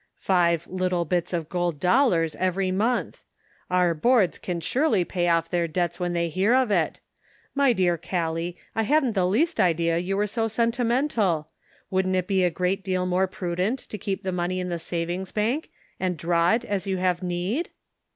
"Five 'little bits of gold dollars ' every month ! Our Boards can surely pay off their debts when they hear of it. My dear Gallic, I hadn't the least idea you were so sentimental! Wouldn't it be a great deal more prudent to keep the money in the savings bank, and draw it as you have need